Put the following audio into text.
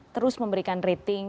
terus memberikan rating